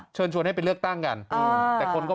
เชิญชวนให้ไปเลือกตั้งกัน